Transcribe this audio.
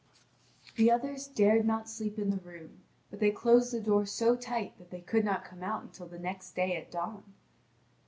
The others dared not sleep in the room; but they closed the door so tight that they could not come out until the next day at dawn.